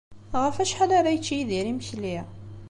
Ɣef wacḥal ara yečč Yidir imekli?